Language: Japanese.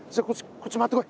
こっち回ってこい。